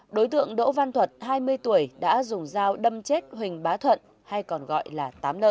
đối tượng đỗ văn thuật hai mươi tuổi đã dùng dao đâm chết huỳnh bá thuận hay còn gọi là tám n